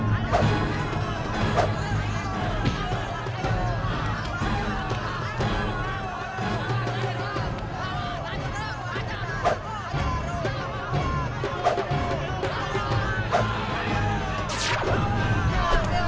aku akan mencari siapa yang bisa menggoda dirimu